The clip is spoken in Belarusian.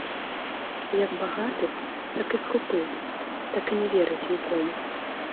Як багаты, так і скупы, так і не верыць нікому.